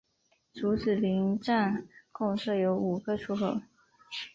竹子林站共设有五个出口。